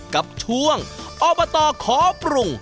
กับช่วงอบตขอปรุง